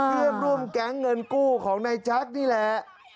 เพื่อนร่วมแก๊งเงินกู้ของนายจักรนี่แหละ